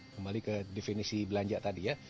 kembali ke definisi belanja tadi ya